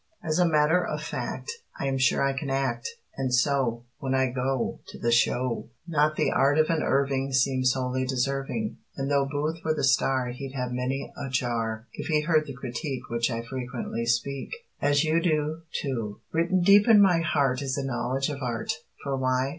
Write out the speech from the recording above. As a matter of fact, I am sure I can act, And so, When I go, To the show, Not the art of an Irving Seems wholly deserving, And though Booth were the star He'd have many a jar, If he heard the critique Which I frequently speak, As you Do, Too. Written deep in my heart Is a knowledge of art, For why?